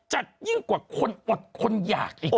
จัดยิ่งกว่าคนอดคนอยาก